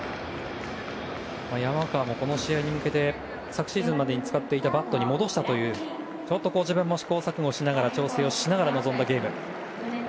山川もこの試合に向けて昨シーズンまで使っていたバットに戻したとちょっと自分も試行錯誤しながら調整をしながら臨んだゲーム。